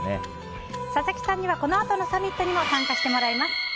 佐々木さんにはこのあとのサミットにも参加してもらいます。